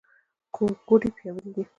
ګوډې پیاوړې دي.